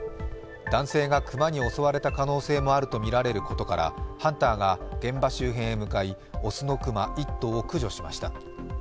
男性が熊に襲われた可能性もあるとみられることからハンターが現場周辺へ向かい雄の熊１頭を駆除しました。